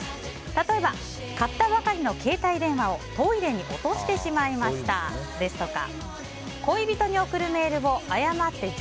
例えば買ったばかりの携帯電話をトイレに落としてしまいましたですとか